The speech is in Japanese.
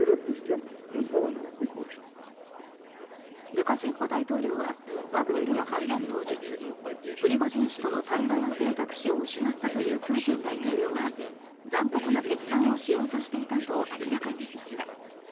ルカシェンコ大統領はワグネルの反乱当日プリゴジン氏との対話の選択肢を失ったというプーチン大統領が残酷な決断をしようとしていたと明らかにしました。